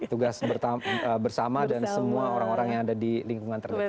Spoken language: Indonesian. tugas bersama dan semua orang orang yang ada di lingkungan terdekat